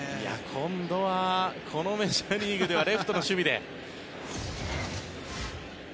今度はこのメジャーリーグではレフトの守備で。